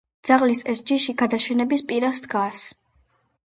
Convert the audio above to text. ძაღლის ეს ჯიში გადაშენების პირას დგას.